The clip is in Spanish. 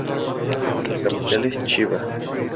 La capital es Chiba.